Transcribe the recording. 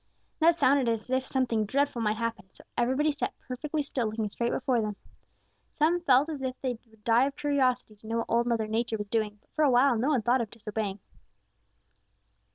"That sounded as if something dreadful might happen, so everybody sat perfectly still looking straight before them. Some of them felt as if they would die of curiosity to know what Old Mother Nature was doing, but for a while no one thought of disobeying.